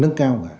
được phân phùi